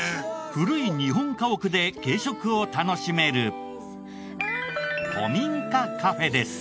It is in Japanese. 古い日本家屋で軽食を楽しめる古民家カフェです。